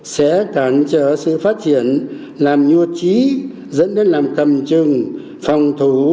sẽ cản trở sự phát triển làm nhu chí dẫn đến làm cầm chừng phòng thủ